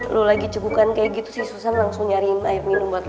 lo lagi cegukan kayak gitu susan langsung nyariin air minum buat lo